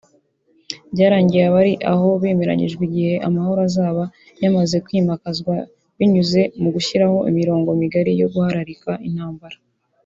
Byarangiye abari aho bemeranyijwe igihe amahoro azaba yamaze kwimakazwa binyuze mu gushyiraho imirongo migari yo guhararika intambara